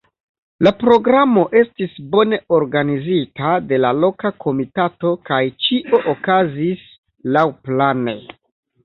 La programo estis bone organizita de la loka komitato, kaj ĉio okazis laŭplane.